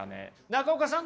中岡さん